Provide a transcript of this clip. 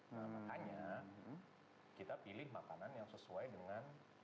nah makanya kita pilih makanan yang sesuai dengan